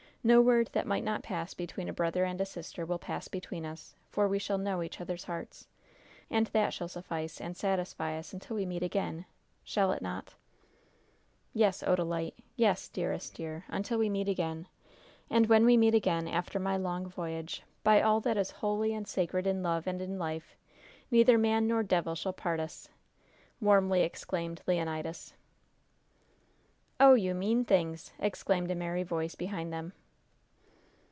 No word that might not pass between a brother and a sister will pass between us, for we shall know each other's hearts, and that shall suffice and satisfy us until we meet again, shall it not?" "Yes, Odalite! Yes, dearest dear! Until we meet again! And when we meet again, after my long voyage, by all that is holy and sacred in love and in life neither man nor devil shall part us!" warmly exclaimed Leonidas. "Oh, you mean things!" exclaimed a merry voice behind them.